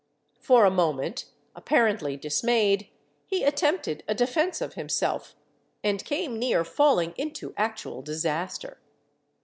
For a moment, apparently dismayed, he attempted a defense of himself—and came near falling into actual disaster.